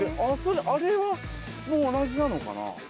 あれも同じなのかな？